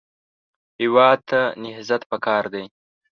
هېواد ته نهضت پکار دی